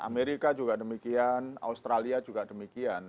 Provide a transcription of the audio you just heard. amerika juga demikian australia juga demikian